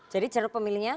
jadi ceruk pemilinya